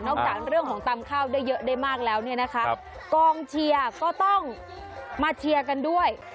จากเรื่องของตำข้าวได้เยอะได้มากแล้วเนี่ยนะคะกองเชียร์ก็ต้องมาเชียร์กันด้วย